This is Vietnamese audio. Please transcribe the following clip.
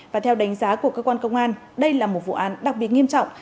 và theo đánh giá của cơ quan công an đây là một vụ án đặc biệt nghiêm trọng